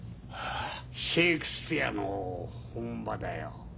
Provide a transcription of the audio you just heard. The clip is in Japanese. シェークスピアの本場だよ。